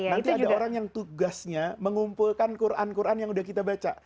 nanti ada orang yang tugasnya mengumpulkan quran quran yang udah kita baca